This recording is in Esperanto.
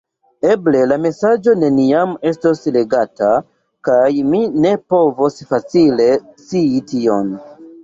Eble la mesaĝo neniam estos legata, kaj mi ne povos facile scii tion.